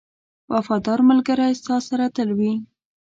• وفادار ملګری ستا سره تل وي.